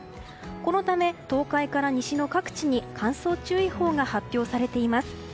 このため東海から西の各地に乾燥注意報が発表されています。